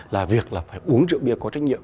là việc là phải uống rượu bia có trách nhiệm